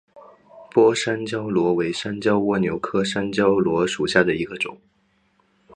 波部山椒螺为山椒蜗牛科山椒螺属下的一个种。